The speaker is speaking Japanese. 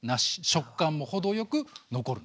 食感も程よく残る。